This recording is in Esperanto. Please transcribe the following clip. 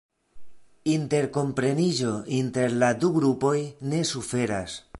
Interkompreniĝo inter la du grupoj ne suferas.